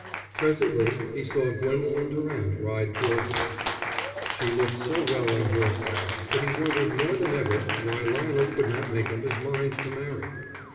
Presently he saw Gwendolen Durant ride towards him. She looked so well on horseback that he wondered more than ever why Lionel could not make up his mind to marry.